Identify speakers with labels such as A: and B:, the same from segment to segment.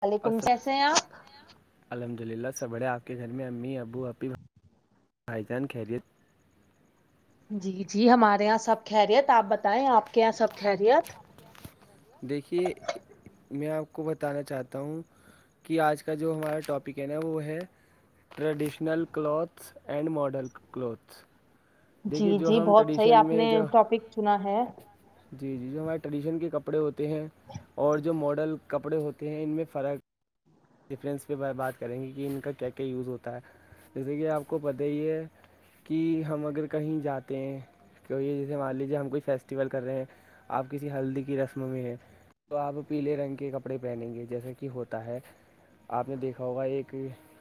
A: وعلیکم
B: السل
A: کیسے ہیں آپ
B: الحمد للہ سبڑے آپ کے گھر میں امی ابو ابی بھائی جان خیریت
A: جی جی ہمارے یہاں سب خیریت آپ بتائیں آپ کے یہاں سب خیریت
B: دیکھیے میں آپ کو بتانا چاہتا ہوں کہ آج کا جو ہمارا ٹاپک ہے نا وہ ہے traditional clothes and model clothes
A: جی جی بہت صحیح آپ
B: میں
A: نے
B: جو
A: ٹاپک چنا ہے
B: جی جی جو ہمارے ٹریڈیشن کے کپڑے ہوتے ہیں اور جو ماڈل کپڑے ہوتے ہیں ان میں فرق ڈفرینس پہ بات کریں گے کہ ان کا کیا کیا یوز ہوتا ہے جیسے کہ آپ کو پتا ہی ہے کہ ہم اگر کہیں جاتے ہیں کیوں یہ جیسے مان لیجیے ہم کوئی فیسٹیول کر رہے ہیں آپ کسی ہلدی کی رسم میں ہے تو آپ پیلے رنگ کے کپڑے پہنیں گے جیسے کہ ہوتا ہے آپ نے دیکھا ہوگا ایک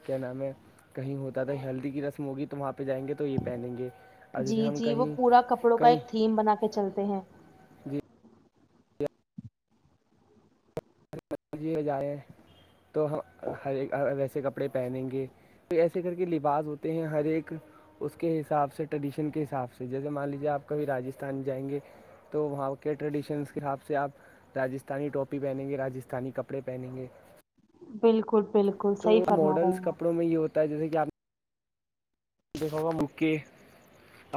B: کیا نام ہے کہیں ہوتا تھا ہلدی کی رسم ہوگی تو وہاں پہ جائیں گے تو یہ پہنیں گے اور
A: جی
B: جیسے ہم
A: جی وہ
B: کہیں
A: پورا کپڑوں کا
B: کہیں
A: ایک تھیم بنا کے چلتے ہیں
B: ی جائیں تو ہم ہر ویسے کپڑے پہنیں گے ایسے کر کے لباس ہوتے ہیں ہر ایک اس کے حساب سے ٹریڈیشن کے حساب سے جیسے مان لیجیے آپ کبھی راجستھان جائیں گے تو وہاں کے ٹریڈیشنس کے حساب سے آپ راجستھانی ٹاپی پہنیں گے راج راستھانی کپڑے پہنیں گے
A: بالکل بالکل
B: تو
A: صحیح فرما رہے
B: ماڈلس
A: ہیں
B: کپڑوں میں یہ ہوتا ہے جیسے کہ آپ دیکھوگا یو کے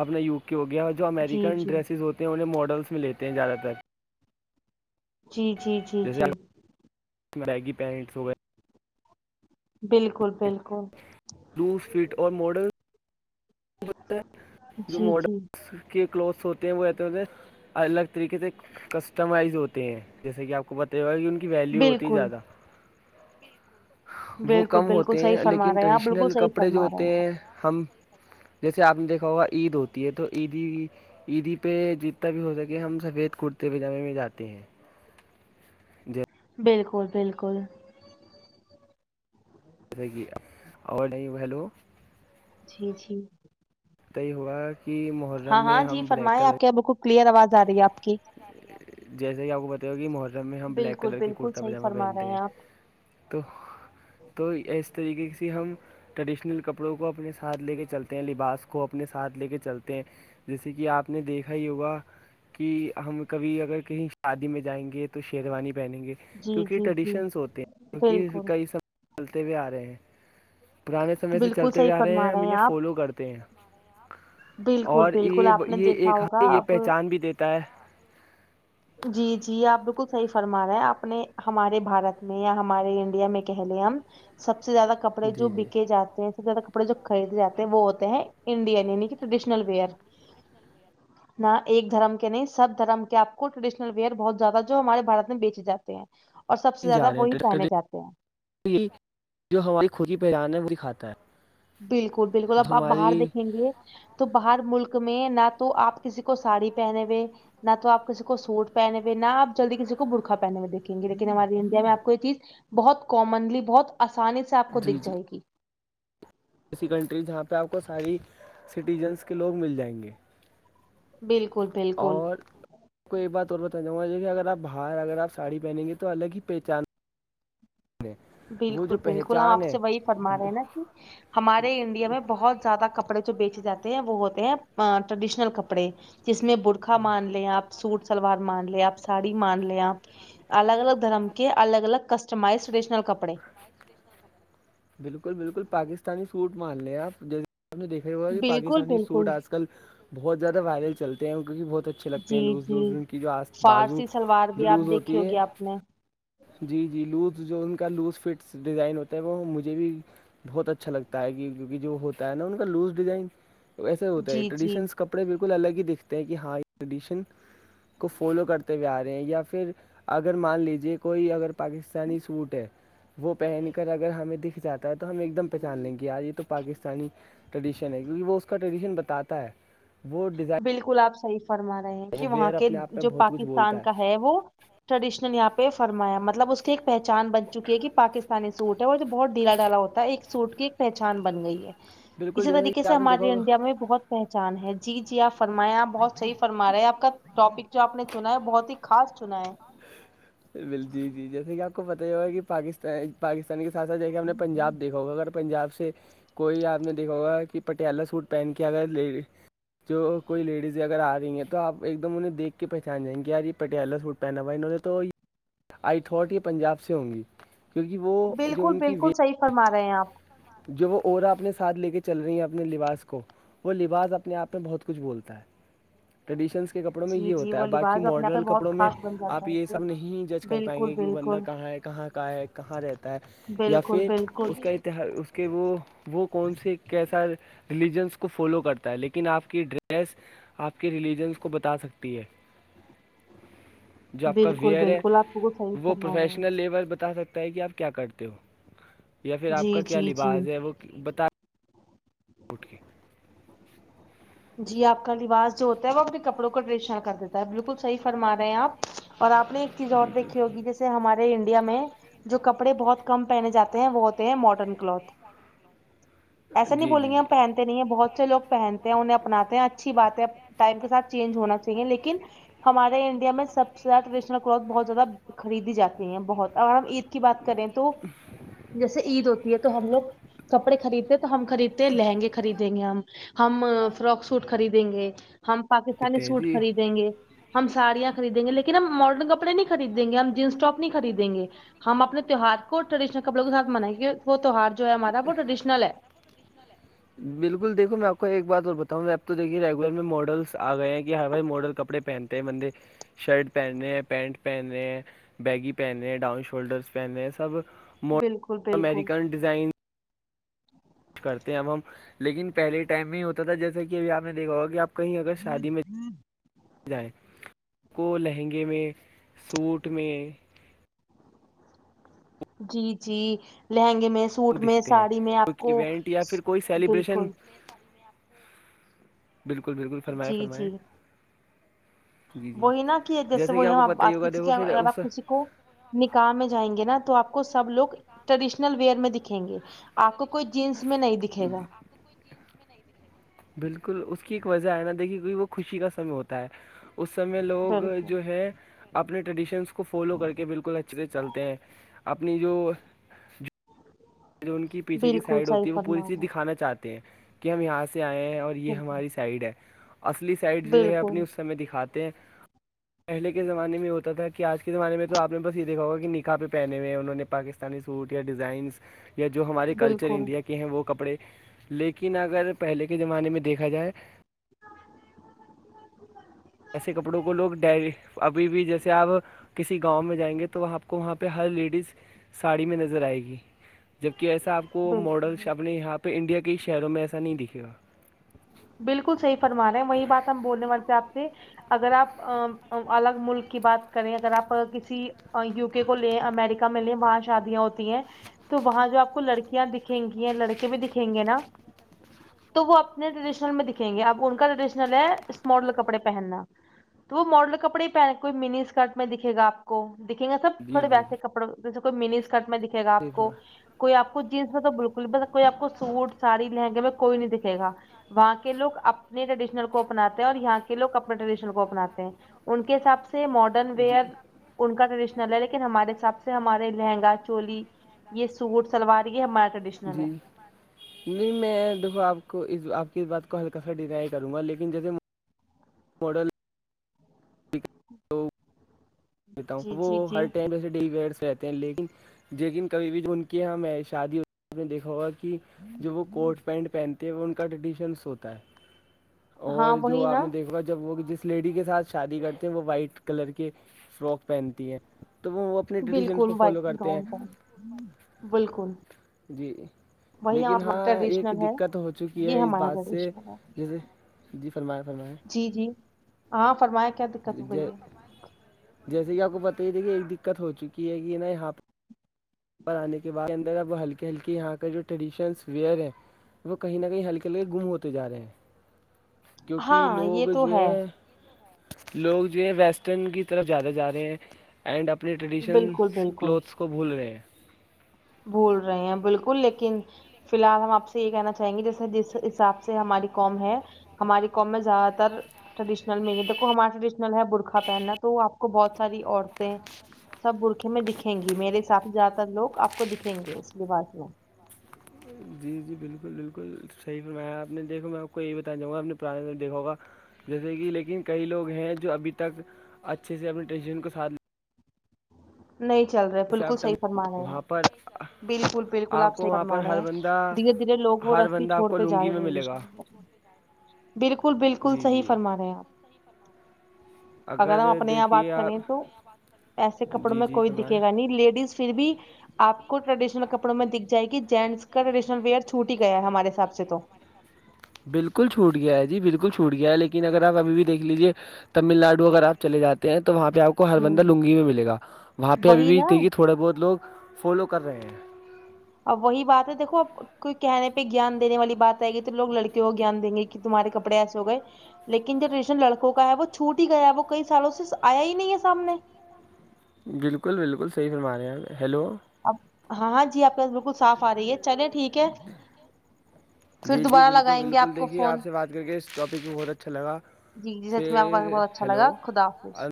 B: اپنا یو کے ہو گیا اور جو
A: آپ جی
B: امریکن
A: جی
B: ڈریسز ہوتے تو انہ ماڈلس میں لیتے ہیں زیادہ تر
A: جی جی جی جی
B: میگی پینٹس وغیرہ
A: بالکل بالکل
B: دو فٹ اور ماڈل جو
A: جی جی
B: ماڈلس کے کلوتھس ہوتے ہیں وہ رہتے ہوتے ہیں الگ طریقے سے کسٹمائز ہوتے ہیں جیسے کہ آپ کو ب تیا کی ان کی ویلیو ہوتی ہے
A: بالکل
B: زیادہ وہ
A: بالکل
B: کم
A: بالکل
B: ہوتے
A: صحیح
B: ہیں
A: فرما
B: لیکن
A: رہے ہیں آپ بالکل
B: ٹریڈیشنل
A: صحیح
B: کپڑے جو
A: فرما رہے
B: ہوتے ہیں
A: آپ
B: ہم جیسے آپ نے دیکھا ہوگا عید ہوتی ہے تو عیدی عیدی پہ جتنا بھی ہو سکے ہم سفید کرتے پجامے میں جاتے ہیں جیسے
A: بالکل بالکل
B: گی اور نہیں بلو
A: جی جی
B: تآئی یہ ہوا کہ مہ
A: ہاں ہاں جی فرمایں آپ کے یہ بالکل کلیئر آواز آ رہی ہے آپ کی
B: جیسے کہ آپ کو بت ہوا کہ محرم میں ہم بلیک
A: بالکل
B: کلر کے
A: بالکل
B: کرتا
A: صحیح
B: پاجامہ
A: فرما رہے
B: پہنتے ہیں
A: آپ
B: تو تو اس طریقے سے ہم ٹریڈیشنل کپڑوں کو اپنے ساتھ لے کے چلتے ہیں لباس کو اپنے ساتھ لے کے چلتے ہیں جیسے کہ آپ نے دیکھا ہی ہوگا کہ ہم کبھی اگر کہیں شادی میں جائیں گے تو شیروانی پہنیں گے
A: جی
B: کیونکہ
A: جی جی
B: ٹریڈیشنس ہوتے ہیں کیونکہ
A: بالکل
B: کئی سم چلتے ہوئے آ رہے ہیں پرانے سمے سے
A: بالکل
B: چلتے
A: صحیح
B: بھیئے آ رہے
A: فرما
B: ہیں ہم انہیں
A: آپ
B: فالو کرتے ہیں
A: بالکل
B: اور
A: بالکل
B: یہ
A: آپ نے
B: یہ
A: دیکھا
B: ایک
A: ہوگا
B: ہمیں یہ
A: اب
B: پہچان بھی دیتا ہے
A: جی جی آپ بالکل صحیح فرما رہے ہیں آپ نے ہمارے بھارت میں یا ہمارے انڈیا میں کہہ لے ہم سب سے زیادہ کپڑے جو
B: جی
A: بکے
B: جی
A: جاتے ہیں س زیادہ کپڑے جو خرید جاتے ہیں وہ ہوتے ہیں انڈین عنی کہ ٹریڈیشنل ویئر نہ ایک دھرم کے نہیں سب دھرم کے آپ کو ٹریڈشنل ویئر بہت زیادہ جو ہمارے بارت بیچے جے ہیں اور سب سے
B: جا
A: زیادہ
B: رہے
A: وہی پہنے جاتے ہیں
B: ہیںن جو ہماری خودی پہچان ہے وہی کھاتا ہے
A: بالکل بالکل اب آپ باہر
B: ہماری
A: دیکھیں گے تو باہر ملک میں نہ تو آپ کسی کو ساڑی پہنے ہوئے نہ تو آپ کسی کو سوٹ پہنے ہوئے نہ آ جلدی کسی کو برخہ پہنے ہوئے دیکیں گے لیکن ہماری انڈیا میں آپ کو یہ چیز بہت کامنلی بہت آسانی سے آپ کو
B: جی
A: دکھ
B: جی
A: جائے گی
B: ایسی کنٹری جہاں پہ آپ کو ساری سٹیزنس کے لوگ مل جائیں گے
A: بالکل بالکل
B: اور کو ایک بات اور بتاناں گا کہ اگر آ باہر اگر آ ساڑی پہنیں گے تو الگ ہی پہچان ہے وہ
A: بالکل
B: جو
A: بالکل ہم
B: پہچان
A: آپ
B: ہے
A: سے وہی فرما رہے
B: وہ
A: ہیں نا کہ ہمارے انڈیا میں بہت زیادہ کپ کپڑے جو بیچے جاتے ہیں وہ ہوتے ہیں ٹریڈیشنل کپڑے جس میں برکھا مان لیں آپ سوٹ سلوار مان لے آپ ساڑی مان لے آپ الگ الگ دھرم کے الگ الگ کسٹمائز ٹریڈیشنل کپڑے
B: بالکل بالکل پاکستانی سوٹ مان لےیا جس د پھر وہ کہ
A: بالکل
B: پاکستانی سوٹ
A: بالکل
B: آج کل بہت زیادہ وائرل چلتے ہیں کیونکہ بہت اچھے لگتے ہیں
A: جی
B: لوز
A: جی
B: لوز کی جو آ بازو جلوس ہوتی ہے
A: نہیں
B: جی جی لوز جو ان کا لوز فٹس ڈیزائن ہوتا ہے وہ مجھے بھی بہت اچھا لگتا ہے کیک جو ہوتا ہے نا ان کا لوز ڈیزائن وسے ہوتا ہے
A: جی جی
B: ٹریڈیشن کا کپڑے بالکل الگ ہی دکھتے ہیں کہ ہاں یہ ٹریڈیشن کو فالو کرتے ہوئے آ رہے ہیں یا پھر اگر مان لیجیے کوئی اگر پاکستانی سوٹ ہے وہ پہن کر اگر ہمیں دکھ جاتا تو ہم ایک دم پہچان لیں گےیار یہ تو پاکستانی ٹریڈیشن ہے کیونکہ وہ اس کا ٹریڈیشن بتاتا ہے وہ ڈیزائڈ
A: بالکل آپ صحیح فرما رہے ہیں کہ وہاں کے
B: اپنے آپ میں
A: جو
B: بہت کچھ
A: پاکستان
B: بولتا
A: کا ہے وہ ٹریڈیشنل یہاں پہ فرمایا مطلب اس کی ایک پہچان بن چکی ہے کہ پاکستانی سوٹ ہے اور یہ بہت ڈھیلا ڈالا ہوتا ہے ایک سوٹ کی ایک پہچان بن گئی ہے
B: بالکل
A: اسی
B: جیسے
A: طریقے
B: کہ
A: سے
B: آپ نے دیکھا
A: ہمارے
B: ہوگا
A: انڈیا میں بہت پہچان ہے جی جی آپ فرمائیں آپ بہت صحی فرما رہے ہیں آپ کا ٹاپک جو آپ نے چنا ہے بہت ہی خاص چنا ہے
B: جی جی جیسے کہ آپ کو پتا ہی ہوگا کہ پاکستان پاکستان کے ساتھ ساتھ جیکھے ہم نے پنجاب دیکھا ہوگا اگر پنجاب سے کوئی آپ نے دیکھا ہوگا کہ پٹیالہ سوٹ پہن کے اگر لے ل جو کوئی لیڈیز اگر آ رہی ہیں تو آپ ایک دم انہیں دیکھ کے پہچان جائیں گے یار یہ پٹیالہ سوٹ پناو تو آئی تھٹ یہ پنجاب سے ہوں گی کیونکہ وہ جو ان کی وی
A: فما رہے ہیں آپ
B: جو وہ اورا اپنے ساتھ لے کے چل رہی ہیں اپنے لباس کو وہ لباس اپنے آپ میں بہت کچھ بولتا ہے ٹریڈیشنس کے کپڑوں میں
A: جی
B: یہ
A: جی
B: ہوتا
A: وہ
B: ہے باقی
A: لباس اپنے آپ
B: ماڈرن
A: بہت
B: کپڑوں میں
A: خاص بن
B: آپ
A: جاتا
B: یہ
A: ہے
B: سب نہیں جچ کر پائیں
A: بالکل
B: گے کہ وہ بندر
A: بالکل
B: کہاں ہے کہاں کا ہے کہاں رہتا ہے یا
A: بالکل
B: پھر
A: بالکل
B: اس کا اتہ اس کہ وہ وہ کون سے کیسا ریلیجنس کو فالو کرتا ہے لیکن آپ کی ڈریس آپ کے ریلیجنس کو بتا سکتی ہے جو آپ کا
A: بالکل
B: ویئر ہے
A: بالکل آپ کو صحیح
B: وہ
A: فرما رہے ہیں
B: پروفیشنل لیول بتا سکتا ہے کہ آپ کیا کرتے ہو یا پھر آپ
A: جی
B: کا کیا
A: جی جی
B: لباس ہے وہ بتا رہ [unintelligible]
A: جی آپ کا لوج جو ہوتا ہے وہ اپنے کپڑوں کا ڈریشن کر دیتا ہے بالکل صحی فرما رہے ہیں آپ اور آپ نے ایک چیز اور
B: جی جی
A: دھی ہوگی جیس ہمارے انڈیا میں جو کپڑے بہت کم پہنے جاتے ہیں وہ ہوتے ہیں ماڈرن کلوتھ ایسا نہیں
B: جی
A: بولیں
B: جی
A: گ
B: جی
A: پہنتے نہیں ہیں بہت سے لوگ پہن انہیں اپناتے ہیں اچھی باتیں ٹائم کے ساتھ چینج ہونا چاہیے لیکن ہمارے انڈیا میں سب زیادہ ٹریڈیشنل کلوتھ بہت زیادہ خریدی جاتی ہیں بہت اگر ہم عید کی بات کریں تو جیسے عید ہوتی ہے تو ہم لوگ کپڑے خریدتے ہیں تو ہم خریدتے ہیں لہنگے خریدیں گے ہم ہم فرواک سوٹ خریدیں گے ہم
B: تیزی
A: پاکستانی سوٹ خریدیں گے ہم ساڑیاں خریدیں گے لیکن ہم ماڈرن کپڑے نہیں خریدیں گے ہم جینس ٹپ نہیں خریدیں گے ہم اپنے تہوہار کو ٹریڈشنل کپڑوں کے ساتھ منائیںے وہ تہوار جو ہے ہمارا وہ
B: تہوار
A: ٹریڈیشنل ہے
B: [unintelligible] بالکل دیکھو میں آپ کو ایک بات اور بتاؤں میں آپ تو دیکے ریگولر میں ماڈلس آ گئے ہیں کہ ہر بھائی ماڈل کپڑے پینتے بند شرٹ پہننے ہیں پینٹ پہنے ہیں بیگی پہنے ہیں ڈاؤن شولڈرس پہنے ہیں سب ماڈ
A: بالکل بالکل
B: امریکن ڈیزائن کرتے ہیں اب ہم لیکن پہلے ٹائم میں ہی ہوتا تھا جیسے کہب آپ نے دیکھا ہوگا کہ آپ کہیں اگر شادی میں جائیں کو لہنگے میں سوٹ میں
A: جی جی لہنگے میں
B: وہ
A: سوٹ میں
B: دکھتے ہیں
A: ساڑی میں آپ
B: کوئی
A: کو
B: ایونٹ یا پھر کوئی سیلیبریشن
A: بالکل
B: بالکل بالکل فرمائے
A: جی
B: فرمائائے
A: جی وہی نا کہ جیسے وہی
B: آپ کو
A: ہم
B: پتہ ہی ہوگا
A: کسی کے
B: دیکھو پھر
A: ا آپ
B: اس
A: کسی کو نکاح میں جائیں گے نا تو آپ کو سب لوگ ٹریڈیشنل ویئر میں دکھیں گے آپ کو کوئی جینس میں نہیں دکھ
B: آپ کو کو بالکل اس کی ایک وجہ ہے نا دیکھیے کیکہ وہ خوشی کا سمے ہوتا ہے اس سمے لوگ
A: بالکل
B: جو ہے اپنے ٹریڈیشنس کو فالو کر کے بالکل اچھے سے چلتے ہیں اپنی جو جو ان کی پیچھے کی
A: بالکل
B: سائڈ
A: صحیح
B: ہوتی وہ پور
A: فرما
B: چیز
A: رہے
B: دکھانا چاہ ہے ہیں کہ ہم یہاں سے آئے ہیں اور یہ ہماری سائڈ ہے اصلی سائڈ جو ہے اپنی
A: بالکل
B: اس ہم میں دکھاتے ہیں پہلے کے زمانے میں ہوتا تھا کہ آج کے زمانے میں آپ نے بس یہ دیکا ہوا کہ نکح پہنے ہو ہیں انہوں نے پاکستان استانی صووریا ڈیزائنس یا جو ہمارے کلچر
A: بالکل
B: انڈیا کے ہیں وہ کپڑے لیکن اگر پہلے کے زمانے میں دیکھا جائے
A: [inaudible]
B: ایسے کپڑوں کو لوگ ڈری ابھی بھی جیسے آپ کسی گاؤں میں جائیں گے تو آپ کو وہاں پہ ہر لیڈیز ساڑی میں نظر آئے گی جبکہ ایسا آپ کو ماڈر
A: بالکل
B: اپنے یہاں پہ انڈیا کے ہی شہروں میں ایسا نہیں دکھے گا
A: بالکل صحی فرمانا ہے وہی بات ہم بولنے والے سے آپ سے اگر آپ الگ ملک کی بات کریں اگر آپ کسی یوک کو لے امیریکا میں لیں وہاں شادیاں ہوتی ہیں تو وہاں جو آپ کو لڑکیاں دکھیں گی لڑکے بھی دکھیں گے نا تو وہ اپنے ٹریڈیشنل میں دکھیں گے اب ان کا ٹریڈیشنل ہے اسماڈل کپڑے پہننا تو وہ ماڈل کپڑے ہی پہننے کوئی منی اسکرٹ میں دکھے گاپ کو دکھیں گے سب
B: جی
A: تھوڑے
B: جی
A: ویسے کپڑوں جیسے کوئی منی اسکرٹ میں دکھے گا آ
B: دیکھ
A: کو
B: رہا
A: کوئی آپ کو جینس میں تو بالکل بس کوئی آپ کو سوٹ ساڑی لہنگے میں کوئی نہیں دکھے گا وہاں کے لو اپنے ٹریڈیشنل کو اپناتے ہیں اور یہاں کے لوگ اپنے ٹریڈیشنل کو اپناتے ہیں ان کے حساب سے ماڈرن
B: جی
A: ویئر ان کا ٹریڈیشنل ہے لیکن ہمارے حساب سے ہمارے لہنگا چولی یہ سوٹ سلوار یہ ہمارا ٹریڈیشنل ہے
B: جی نہیں میں دیکھو آپ کو آپ کی اس بات کو ہلکا سا ڈ کروں گا لیکن جیسے ماڈل دیتا ہوں
A: جی
B: وہ
A: جی
B: ہر
A: جی
B: ٹائم جیس ڈیلی ویئر سے رہ لیکن لیکن کبھی بھی ان کے یہاں میں شادی ہو نے دیکھا ہوگا کہ جو وہ کوٹ پینٹ پہنتے ہیں وہ ان کا ٹریڈیشنس ہوتا ہے اور
A: ہاں
B: جو
A: وہی
B: آپ
A: نا
B: نے دیکھاا جب وہ جس لیڈی کے ساتھ شادی کرتے ہیں وہ وائٹ کلر کے فرواک پہنتی ہے تو وہ وہ
A: بالکل وائنگ گاؤن بالکل
B: جی
A: وہی
B: لیکن
A: ہمارا
B: ہاں ایک
A: ٹریڈیشنل ہے
B: دقت ہو چکی
A: یہ
B: ہے اس
A: ہمارا
B: بات سے
A: ٹریڈیشنل ہے
B: جیسے جی فرمائیں فرمائیں
A: جی جی ہاں فرمائیں کیا دقت ہو گئی ہے
B: جیسے کہ آپ کو بت ہی تھاے کہ ایک دقت ہو چکی ہے کہاتھ پر آنے کے بعد اندر اب ہلکے ہلکے یہاں کا جو ٹریڈیشنس ویئر ہے وہ کہیں نہ کہیں ہلکے ہلکے گم ہوتے جا رہے ہیں کیونکہ
A: ہاں یہ
B: لوگ
A: تو
B: جو ہے لوگ جو ہے ویسٹرن کی طرف جیادہ جا رہے ہیں اینڈ اپنے
A: بالکل
B: ٹریڈیشنس
A: بالکل
B: کلوتھس کو بھول رہے ہیں
A: بھول رہے ہیں بالکل لیکن فی الحال ہمپ سے یہ کہنا چاہیں گے جیسے جس حساب سے ہماری قوم ہے ہماری قوم میں زیادہ تر ٹریڈیشنل میں ہی ہے دیکو ہمارا ٹریڈیشنل ہے برخہ پہننا تو آپ کو بہت ساری عورتیں سب برقے میں دکھیں گی میرے حساب سے زیاد تر لوگ آپ کو دکھیں گے اس لباس میں
B: جی جی بالکل بالکل صحی پ میں اپ دیکھو میں کوئی بتانا چاوں گا اپنے پرانے دیکھو گا جیسے کہ لیکن کئی لوگ ہیں جو ابھی تک اچھے سے اپنی ٹینشن کو ساتھ لے
A: نہیں چل رہاے
B: جیسے
A: بالکل
B: آپ
A: صح فرما رہے ہیں
B: وہاں پر
A: آپ بالکل بالکل آپ
B: کو
A: صحیح
B: وہاں پر
A: فرما رہے
B: ہر
A: ہیں
B: بندہ
A: دھیرے دھیرے لوگ وہ
B: ہر
A: ری
B: بندہ آپ کو
A: چھوڑتے جا
B: لنگی میں ملے
A: رہےےش
B: گا
A: بالکل بالکل
B: جی
A: صحیح
B: جی
A: فرما رہے ہیں آپ اگر ہم اپنے یہاں بات
B: دیکھیے آپ
A: کریں تو ایسے کپڑوں
B: جی
A: میں
B: جی
A: کوئی
B: فرمائیں
A: دکھے گا نہیں لیڈیز پھر بھی آپ کو ٹریڈیشنل کپڑوں میں دکھ جائے گی جینٹس کا ٹریڈیشنل ویئر چھوٹ ہی گیا ہے ہمارے حساب سے تو
B: بالکل چھوٹ گیا ہے جی بالکل چھوٹ گیا ہے لیکن اگر آپ ابھی بھی دیکھ لیجیے تمل نڈو اگر آپ چے جے ہیں تو وہاں پہ آپ کو ہر
A: ہوں
B: بندہ لنگی میں ملےا وہاں پہ
A: وہی
B: ابھی
A: نا
B: بھیے تھوڑے بہت لوگ فالو کر رہے ہیں
A: اب وہی بات ہے دیکو اب کوئی کہنے پہ گیان دینے والی بات آئے گی تو لوگ لڑکوں کو ج گیان دیں گے کہ تمہارے کپڑے ایسے ہو گئے لیکن جو ٹیشن لڑکوں کا ہے وہ چھوٹ ہی گیا ہے وہ کئی سالوں سے آیا ہی نہیں ہے سامنے
B: بالکل بالکل صحیح فرما رہے ہیں ہیلو
A: اب ہاں ہاں جی آپ کے پاس بالکل صاف آ رہی ہے چلے ٹھیک ہے پھر
B: جی جی
A: دوبارہ
B: بالکل
A: لگائیں گے
B: بالکل
A: کو
B: دیکھیے
A: فون
B: آپ سے بات کر کے اس ٹاپک میں بہت اچھا لگا
A: جی جی
B: پ
A: سچ میں آپ کا بہت اچھا
B: ہیلو
A: لگا خدا حافظ